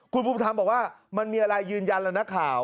คุณภูมิธรรมบอกว่ามันมีอะไรยืนยันแล้วนักข่าว